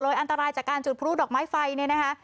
อันตรายจากการจุดพลุดอกไม้ไฟเนี่ยนะคะ